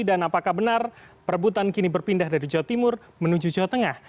dan apakah benar perbutan kini berpindah dari jawa timur menuju jawa tengah